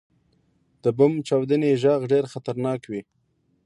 • د بم چاودنې ږغ ډېر خطرناک وي.